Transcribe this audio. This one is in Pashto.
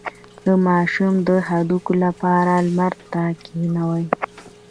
د ماشوم د هډوکو لپاره لمر ته کینوئ